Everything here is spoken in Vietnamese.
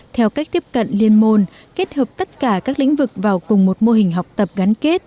theo cách tiếp cận liên môn kết hợp tất cả các lĩnh vực vào cùng một mô hình học tập gắn kết